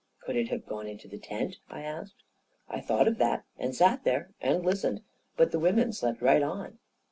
" Could it have gone into the tent ?" I asked. " I thought of that, and sat there and listened. But the women slept right on.